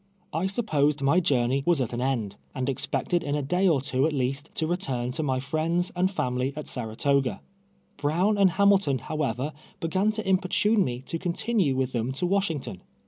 I su2)posed my journey was at an end, and expected in a day or two at least, to return to my friends and fjimily at Saratoga. Brown and Hamil ton, however, began to importuneme to continue with them to Washington.